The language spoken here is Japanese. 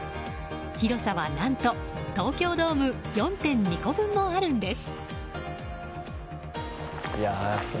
広さは何と東京ドーム４．２個分もあるんです。